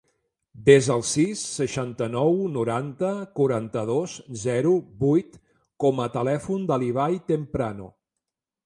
Desa el sis, seixanta-nou, noranta, quaranta-dos, zero, vuit com a telèfon de l'Ibai Temprano.